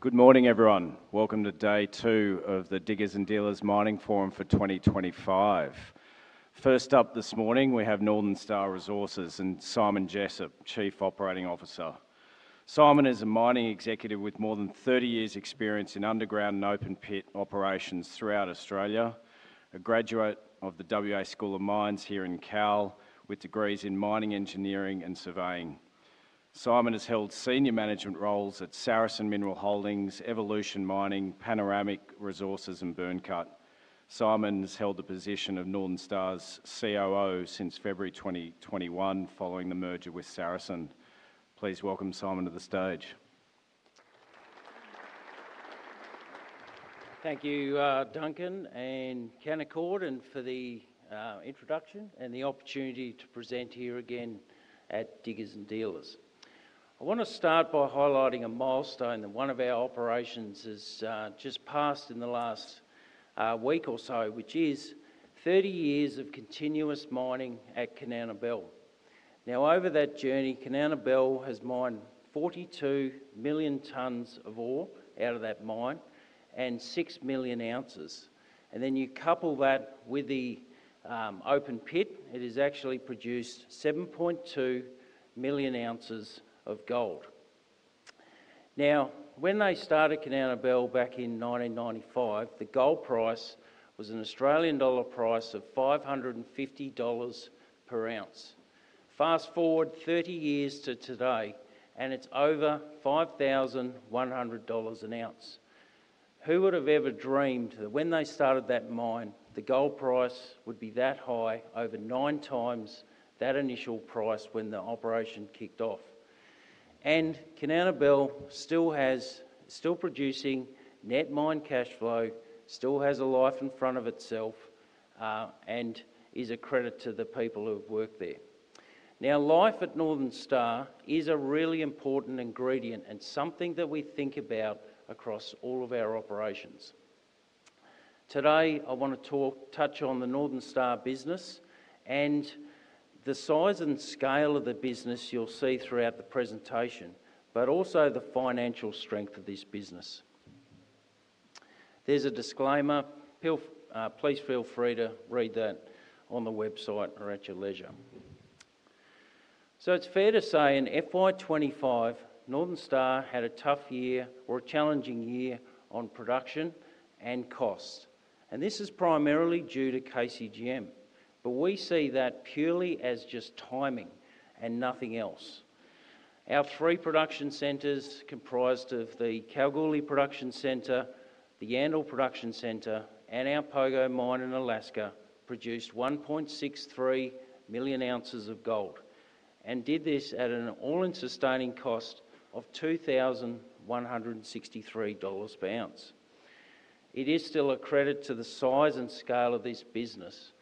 Good morning, everyone. Welcome to Day 2 of the Diggers and Dealers Mining Forum for 2025. First up this morning, we have Northern Star Resources and Simon Jessop, Chief Operating Officer. Simon is a mining executive with more than 30 years' experience in underground and open pit operations throughout Australia, a graduate of the WA School of Mines here in Kal, with degrees in mining engineering and surveying. Simon has held senior management roles at Saracen Mineral Holdings, Evolution Mining, Panoramic Resources, and Byrnecut. Simon's held the position of Northern Star's Chief Operating Officer since February 2021 following the merger with Saracen. Please welcome Simon to the stage. Thank you, Duncan and Canaccord, and for the introduction and the opportunity to present here again at Diggers and Dealers. I want to start by highlighting a milestone that one of our operations has just passed in the last week or so, which is 30 years of continuous mining at Kanowna Belle. Now, over that journey, Kanowna Belle has mined 42 million tons of ore out of that mine and 6 million oz. You couple that with the open pit, it has actually produced 7.2 million oz of gold. When they started Kanowna Belle back in 1995, the gold price was an Australian dollar price of 550 dollars per oz. Fast forward 30 years to today, and it's over 5,100 dollars an oz. Who would have ever dreamed that when they started that mine, the gold price would be that high, over 9x that initial price when the operation kicked off? Kanowna Belle is still producing net mine cash flow, still has a life in front of itself, and is a credit to the people who have worked there. Life at Northern Star is a really important ingredient and something that we think about across all of our operations. Today, I want to touch on the Northern Star business and the size and scale of the business you'll see throughout the presentation, but also the financial strength of this business. There's a disclaimer. Please feel free to read that on the website or at your leisure. It's fair to say in FY 2025, Northern Star had a tough year or a challenging year on production and cost. This is primarily due to KCGM. We see that purely as just timing and nothing else. Our three production centers comprised of the Kalgoorlie Production Centre, the Yandal Production Centre, and our Pogo Mine in Alaska produced 1.63 million oz of gold and did this at an all-in sustaining cost of 2,163 dollars an oz. It is still a credit to the size and scale of this business.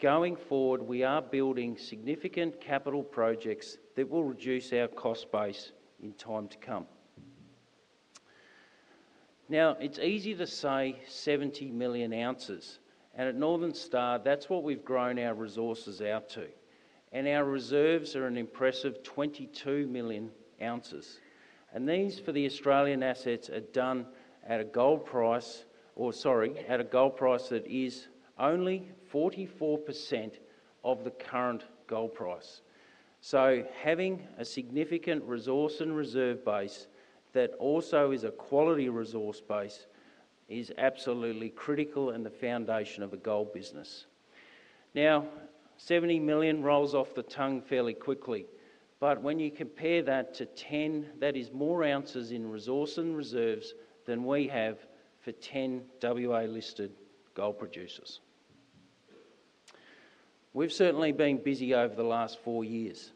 Going forward, we are building significant capital projects that will reduce our cost base in time to come. It's easy to say 70 million oz, and at Northern Star, that's what we've grown our resources out to. Our reserves are an impressive 22 million oz. These for the Australian assets are done at a gold price, or sorry, at a gold price that is only 44% of the current gold price. Having a significant resource and reserve base that also is a quality resource base is absolutely critical and the foundation of a gold business. Now, 70 million rolls off the tongue fairly quickly. When you compare that to 10, that is more ounces in resource and reserves than we have for 10 WA-listed gold producers. We've certainly been busy over the last four years.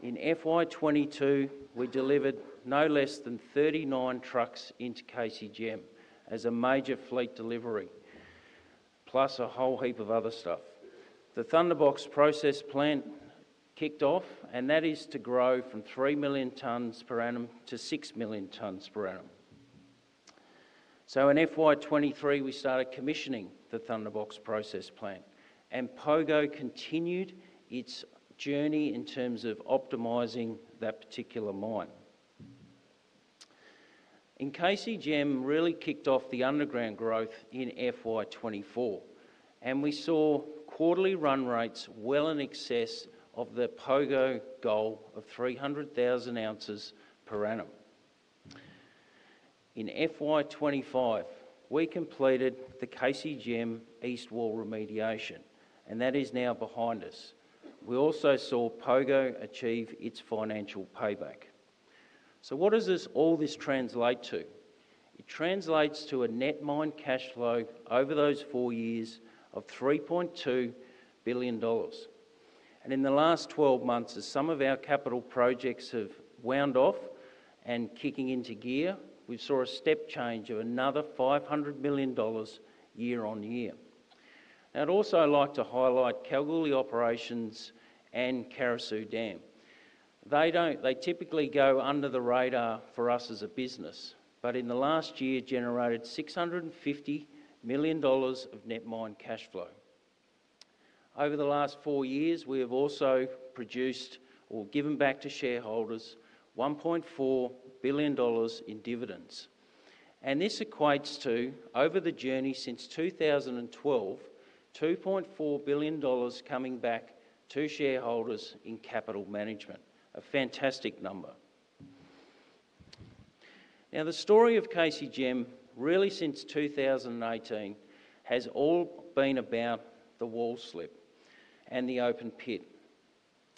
In FY 2022, we delivered no less than 39 trucks into KCGM as a major fleet delivery, plus a whole heap of other stuff. The Thunderbox process plant kicked off, and that is to grow from 3 million tons per annum to 6 million tons per annum. In FY 2023, we started commissioning the Thunderbox process plant, and Pogo continued its journey in terms of optimizing that particular mine. In KCGM, we really kicked off the underground growth in FY 2024, and we saw quarterly run rates well in excess of the Pogo goal of 300,000 ounces per annum. In FY25, we completed the KCGM East Wall Remediation, and that is now behind us. We also saw Pogo achieve its financial payback. What does all this translate to? It translates to a net mine cash flow over those four years of 3.2 billion dollars. In the last 12 months, as some of our capital projects have wound off and kicked into gear, we saw a step change of another 500 million dollars year on year. I'd also like to highlight Kalgoorlie operations and Carosue Dam. They typically go under the radar for us as a business, but in the last year, generated 650 million dollars of net mine cash flow. Over the last four years, we have also produced or given back to shareholders 1.4 billion dollars in dividends. This equates to, over the journey since 2012, 2.4 billion dollars coming back to shareholders in capital management. A fantastic number. The story of KCGM really, since 2018, has all been about the wall slip and the open pit.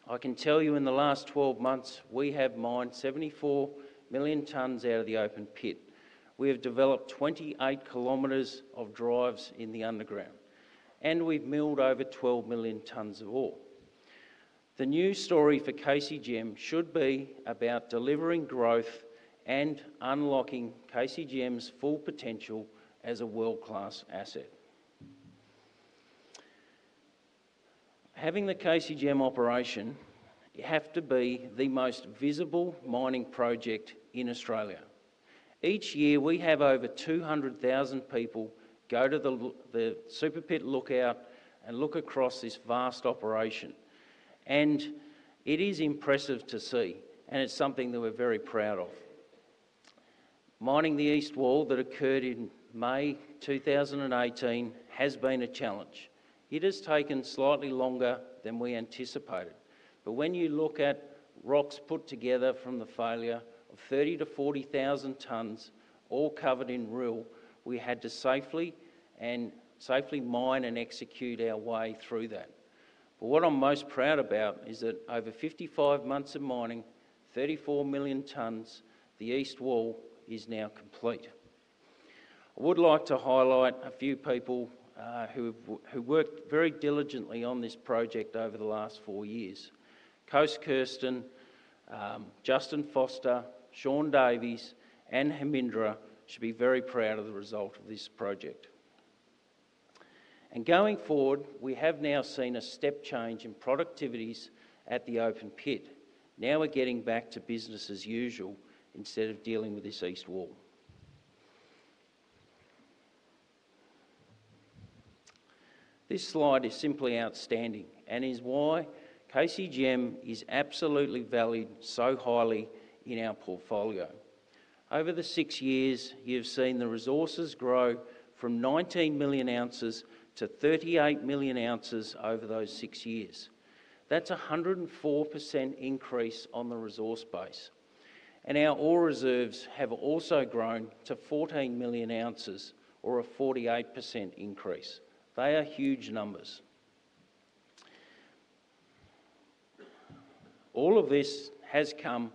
I can tell you in the last 12 months, we have mined 74 million tons out of the open pit. We have developed 28 km of drives in the underground, and we've milled over 12 million tons of ore. The new story for KCGM should be about delivering growth and unlocking KCGM's full potential as a world-class asset. Having the KCGM operation, you have to be the most visible mining project in Australia. Each year, we have over 200,000 people go to the Super Pit Lookout and look across this vast operation. It is impressive to see, and it's something that we're very proud of. Mining the east wall that occurred in May 2018 has been a challenge. It has taken slightly longer than we anticipated. When you look at rocks put together from the failure of 30,000 tons-40,000 tons, all covered in rill, we had to safely mine and execute our way through that. What I'm most proud about is that over 55 months of mining, 34 million tons, the east wall is now complete. I would like to highlight a few people who have worked very diligently on this project over the last four years. Kous Kirsten, Justin Foster, Sean Davies, and [Hamindra] should be very proud of the result of this project. Going forward, we have now seen a step change in productivities at the open pit. We're getting back to business as usual instead of dealing with this east wall. This slide is simply outstanding and is why KCGM is absolutely valued so highly in our portfolio. Over the six years, you've seen the resources grow from 19 million oz-38 million oz over those six years. That's a 104% increase on the resource base. Our ore reserves have also grown to 14 million oz, or a 48% increase. They are huge numbers. All of this has come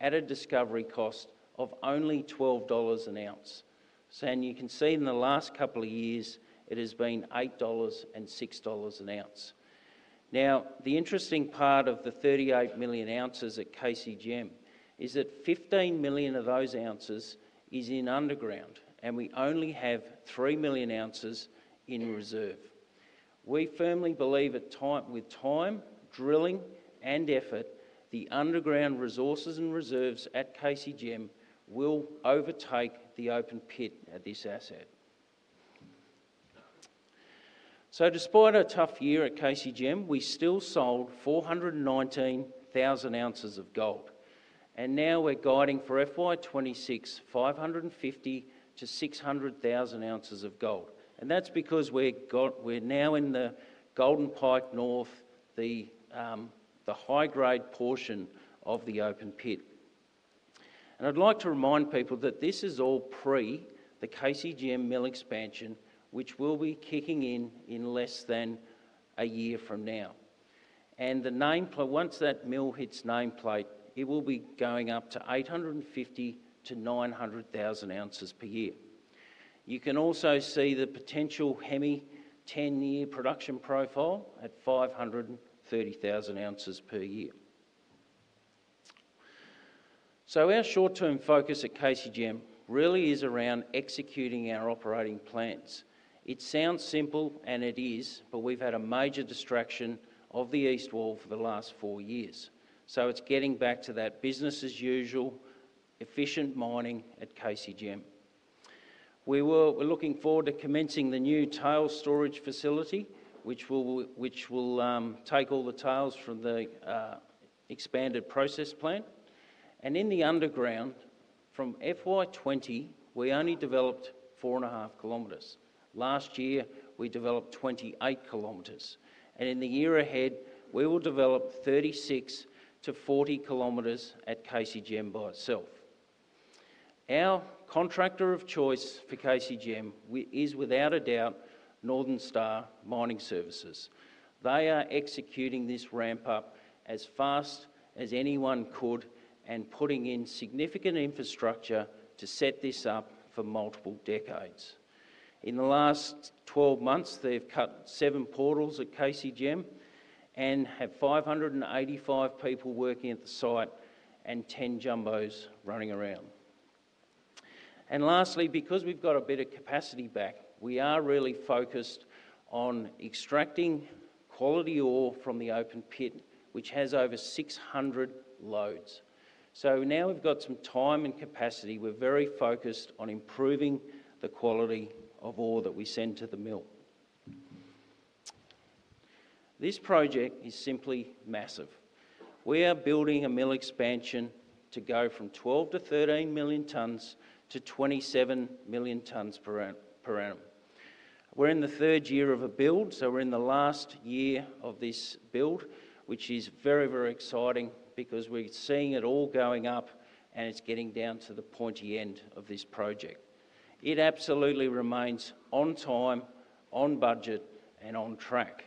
at a discovery cost of only 12 dollars an oz. You can see in the last couple of years, it has been 8 dollars and 6 dollars an oz. The interesting part of the 38 million oz at KCGM is that 15 million of those ounces is in underground, and we only have 3 million oz in reserve. We firmly believe that with time, drilling, and effort, the underground resources and reserves at KCGM will overtake the open pit at this asset. Despite a tough year at KCGM, we still sold 419,000 oz of gold. Now we're guiding for FY 2026, 550,000 oz-600,000 oz of gold. That's because we're now in the Golden Pike North, the high-grade portion of the open pit. I'd like to remind people that this is all pre the KCGM mill expansion, which will be kicking in in less than a year from now. Once that mill hits nameplate, it will be going up to 850,000 oz-900,000 oz per year. You can also see the potential Hemi project 10-year production profile at 530,000 oz per year. Our short-term focus at KCGM really is around executing our operating plans. It sounds simple, and it is, but we've had a major distraction of the east wall for the last four years. It's getting back to that business as usual, efficient mining at KCGM. We're looking forward to commencing the new tail storage facility, which will take all the tails from the expanded process plant. In the underground, from FY 2020, we only developed 4.5 km. Last year, we developed 28 km. In the year ahead, we will develop 36 km-40 km at KCGM by itself. Our contractor of choice for KCGM is, without a doubt, Northern Star Mining Services. They are executing this ramp-up as fast as anyone could and putting in significant infrastructure to set this up for multiple decades. In the last 12 months, they've cut seven portals at KCGM and have 585 people working at the site and 10 jumbos running around. Lastly, because we've got a bit of capacity back, we are really focused on extracting quality ore from the open pit, which has over 600 loads. Now we've got some time and capacity. We're very focused on improving the quality of ore that we send to the mill. This project is simply massive. We are building a mill expansion to go from 12 to 13 million tons to 27 million tons per annum. We're in the third year of a build, so we're in the last year of this build, which is very, very exciting because we're seeing it all going up and it's getting down to the pointy end of this project. It absolutely remains on time, on budget, and on track.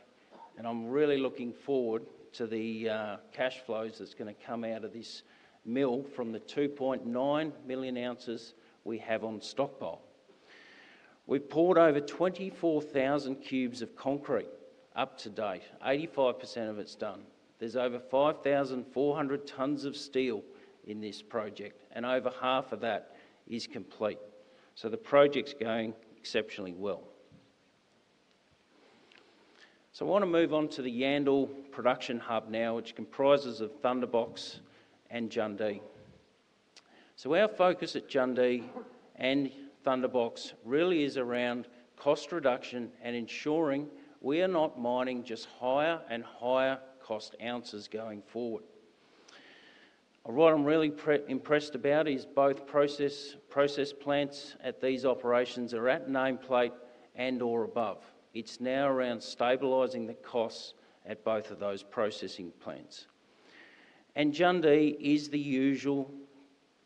I'm really looking forward to the cash flows that's going to come out of this mill from the 2.9 million oz we have on stockpile. We poured over 24,000 cubes of concrete up to date. 85% of it's done. There's over 5,400 tons of steel in this project, and over half of that is complete. The project's going exceptionally well. I want to move on to the Yandal production hub now, which comprises Thunderbox and Jundee. Our focus at Jundee and Thunderbox really is around cost reduction and ensuring we are not mining just higher and higher cost ounces going forward. What I'm really impressed about is both process plants at these operations are at nameplate and/or above. It's now around stabilizing the costs at both of those processing plants. Jundee is the usual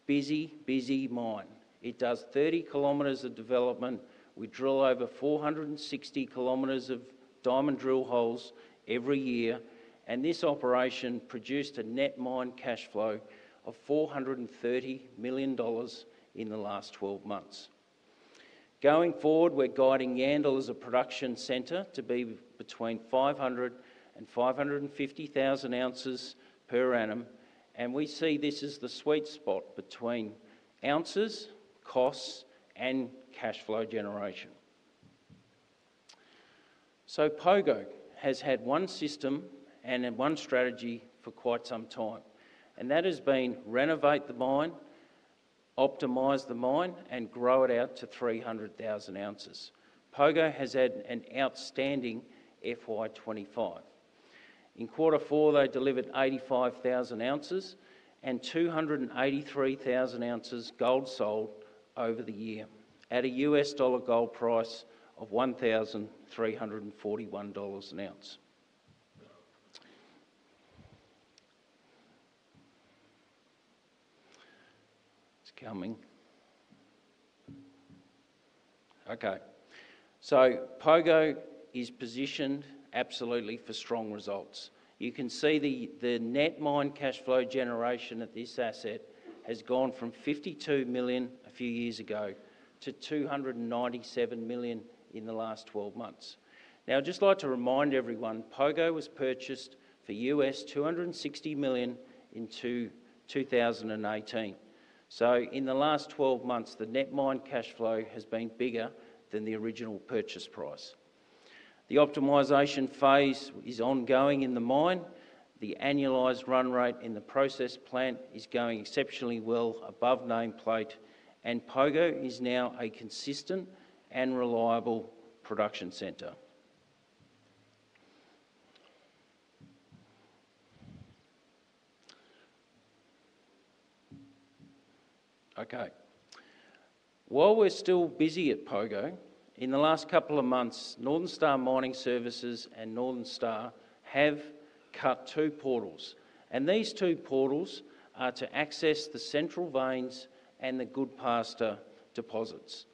busy, busy mine. It does 30 km of development. We drill over 460 km of diamond drill holes every year. This operation produced a net mine cash flow of 430 million dollars in the last 12 months. Going forward, we're guiding Yandal as a production center to be between 500,000 oz and 550,000 oz per annum. We see this as the sweet spot between ounces, costs, and cash flow generation. Pogo has had one system and one strategy for quite some time. That has been renovate the mine, optimize the mine, and grow it out to 300,000 oz. Pogo has had an outstanding FY 2025. In quarter four, they delivered 85,000 oz and 283,000 oz gold sold over the year at a U.S. dollar gold price of $1,341 an ounce. It's coming. Okay. Pogo is positioned absolutely for strong results. You can see the net mine cash flow generation at this asset has gone from 52 million a few years ago to 297 million in the last 12 months. Now, I'd just like to remind everyone, Pogo was purchased for U.S. $260 million in 2018. In the last 12 months, the net mine cash flow has been bigger than the original purchase price. The optimisation phase is ongoing in the mine. The annualised run rate in the process plant is going exceptionally well above nameplate. Pogo is now a consistent and reliable production centre. Okay. While we're still busy at Pogo, in the last couple of months, Northern Star Mining Services and Northern Star have cut two portals. These two portals are to access the central veins and the Goodpaster deposits.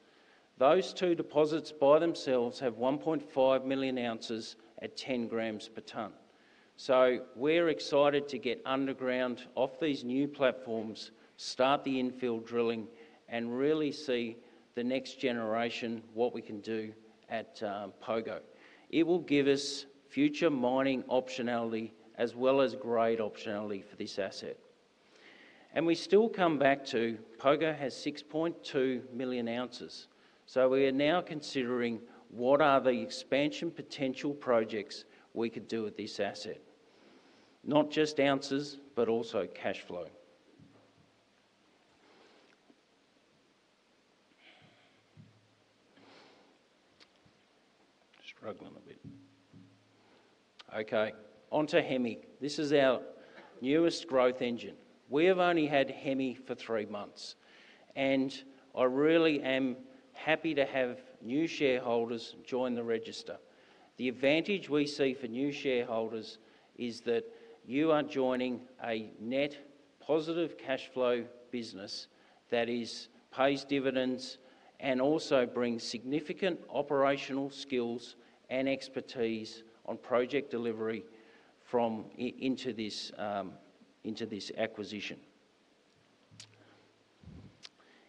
Those two deposits by themselves have 1.5 million oz at 10 g/t. We're excited to get underground off these new platforms, start the infill drilling, and really see the next generation what we can do at Pogo. It will give us future mining optionality as well as grade optionality for this asset. We still come back to Pogo has 6.2 million oz. We are now considering what are the expansion potential projects we could do with this asset. Not just ounces, but also cash flow. Struggling a bit. Okay. Onto Hemi. This is our newest growth engine. We have only had Hemi for three months. I really am happy to have new shareholders join the register. The advantage we see for new shareholders is that you are joining a net positive cash flow business that pays dividends and also brings significant operational skills and expertise on project delivery into this acquisition.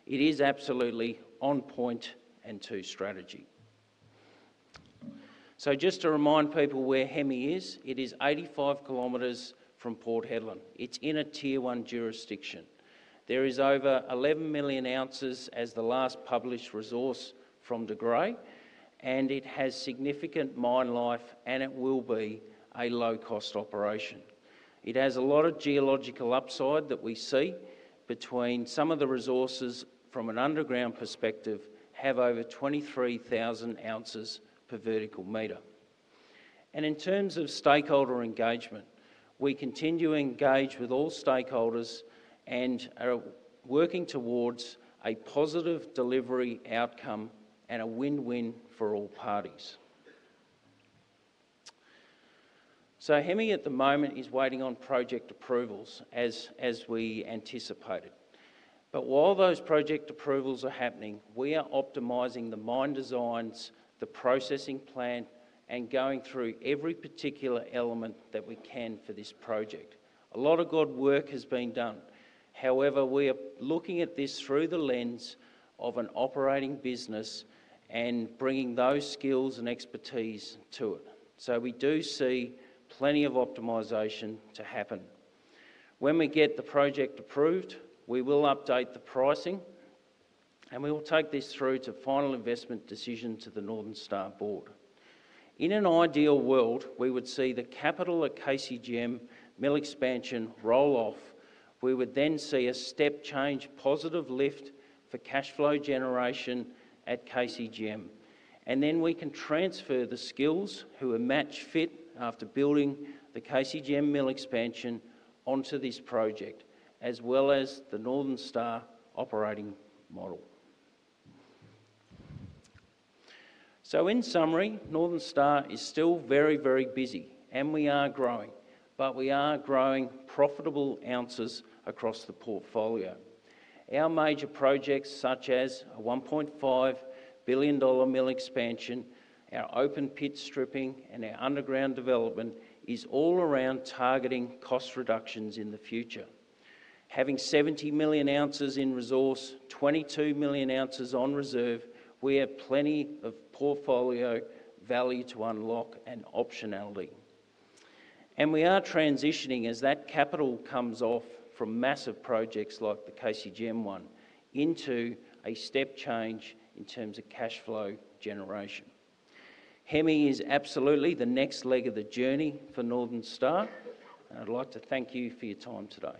It is absolutely on point and to strategy. Just to remind people where Hemi is, it is 85 km from Port Hedland. It's in a Tier-1 jurisdiction. There is over 11 million oz as the last published resource from De Grey. It has significant mine life, and it will be a low-cost operation. It has a lot of geological upside that we see between some of the resources from an underground perspective have over 23,000 oz per vertical meter. In terms of stakeholder engagement, we continue to engage with all stakeholders and are working towards a positive delivery outcome and a win-win for all parties. Hemi at the moment is waiting on project approvals as we anticipated. While those project approvals are happening, we are optimizing the mine designs, the processing plan, and going through every particular element that we can for this project. A lot of good work has been done. However, we are looking at this through the lens of an operating business and bringing those skills and expertise to it. We do see plenty of optimization to happen. When we get the project approved, we will update the pricing, and we will take this through to final investment decision to the Northern Star board. In an ideal world, we would see the capital at KCGM mill expansion roll off. We would then see a step change positive lift for cash flow generation at KCGM. We can transfer the skills who are match fit after building the KCGM mill expansion onto this project, as well as the Northern Star operating model. In summary, Northern Star is still very, very busy, and we are growing. We are growing profitable ounces across the portfolio. Our major projects such as a 1.5 billion dollar mill expansion, our open pit stripping, and our underground development is all around targeting cost reductions in the future. Having 70 million oz in resource, 22 million oz on reserve, we have plenty of portfolio value to unlock and optionality. We are transitioning as that capital comes off from massive projects like the KCGM one into a step change in terms of cash flow generation. Hemi is absolutely the next leg of the journey for Northern Star. I'd like to thank you for your time today.